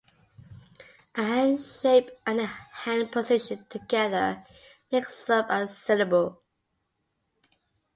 A hand shape and a hand position together, makes up a syllable.